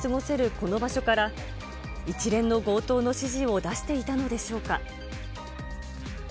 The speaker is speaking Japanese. この場所から、一連の強盗の指示を出していたのでしょうか。